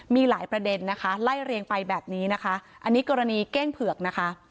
มีหลายประเด็นนะคะไล่เรียงไปแบบนี้นะคะอันนี้กรณีเก้งเผือกนะคะ